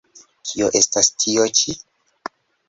Kio estas tio-ĉi?